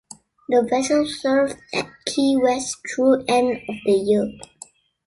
The vessel served at Key West through end of the year.